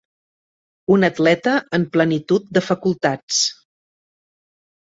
Un atleta en plenitud de facultats.